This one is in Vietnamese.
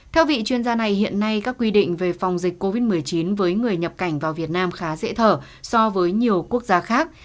theo vị chuyên gia này hiện nay các quy định về phòng dịch covid một mươi chín với người nhập cảnh vào việt nam khá dễ thở so với nhiều quốc gia khác